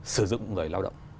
sử dụng người lao động